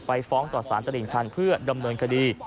ไปฟ้องตรวจสารจำลิงชันเพื่อดำเนินคดี